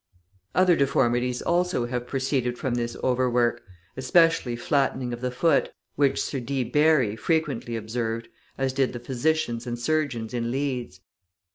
Other deformities also have proceeded from this overwork, especially flattening of the foot, which Sir D. Barry {154a} frequently observed, as did the physicians and surgeons in Leeds.